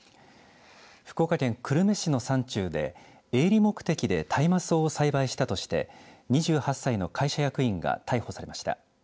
福岡県久留米市の山中で営利目的で大麻草を栽培したとして２８歳の会社役員が逮捕されました。